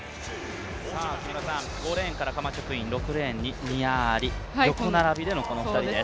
５レーンからカマチョクイン、６レーンからニア・アリ横並びでのこの２人です。